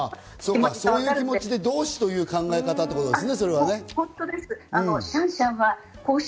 そういう気持ちで同士という考え方ですね。